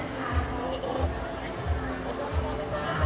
ท้องมือค่ะ